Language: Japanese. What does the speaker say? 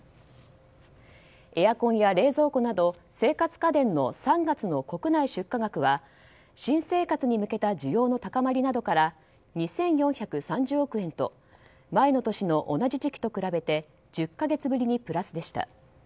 エアコンや冷蔵庫など生活家電の３月の国内出荷額は新生活に向けた需要の高まりなどから２４３０億円と前の年の同じ時期と比べて１０か月ぶりにプラスでした。